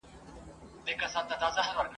چا په ساندو چا په سرو اوښکو ژړله !.